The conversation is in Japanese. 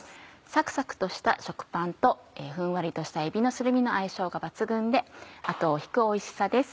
サクサクとした食パンとふんわりとしたえびのすり身の相性が抜群で後を引くおいしさです。